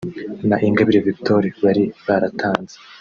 na Ingabire Victoire) bari baratanze